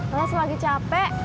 laras lagi capek